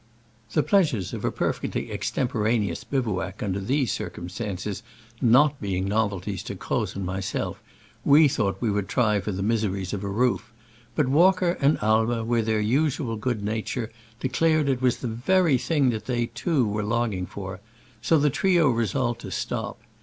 The pleasures of a perfectly extem poraneous bivouac under these circum stances not being novelties to Croz and myself, we thought we would try for the miseries of a roof, but Walker and Ai mer, with their usual good nature, de clared it was the very thing that they too were longing for ; so the trio resolved to stop.